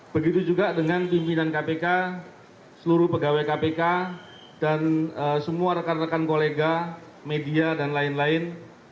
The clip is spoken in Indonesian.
begitu juga dengan pimpinan kpk seluruh pegawai kpk dan semua rekan rekan kolega media dan lain lain